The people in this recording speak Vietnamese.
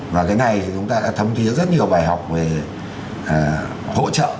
và cái này thì chúng ta đã thấm thiết rất nhiều bài học về hỗ trợ